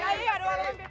pak kiai aduh warman